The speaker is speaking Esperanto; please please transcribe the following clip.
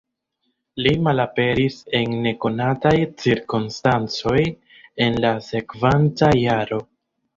Li malaperis en nekonataj cirkonstancoj en la sekvanta jaro.